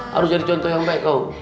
harus jadi contoh yang baik kok